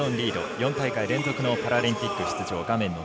４大会連続のパラリンピック出場。